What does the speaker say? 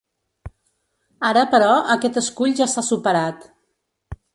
Ara, però, aquest escull ja s’ha superat.